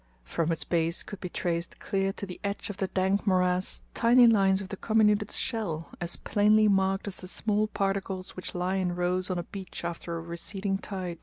From its base could be traced clear to the edge of the dank morass tiny lines of comminuted shell as plainly marked as the small particles which lie in rows on a beech after a receding tide.